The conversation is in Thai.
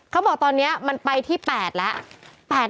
เขาบอกตอนนี้มันไปที่๘แล้ว